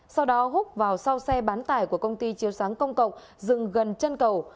sau đó hút vào sau xe bán tải của công ty chiếu sáng công cộng dừng gần chân cầu